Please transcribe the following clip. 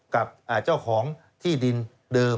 กับเจ้าของที่ดินเดิม